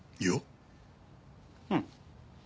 うん。